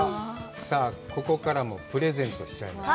さあ、ここからもプレゼントしちゃいます。